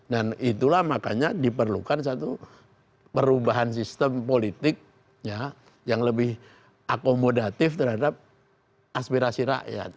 dan itulah makanya diperlukan satu perubahan sistem politik ya yang lebih akomodatif terhadap aspirasi rakyat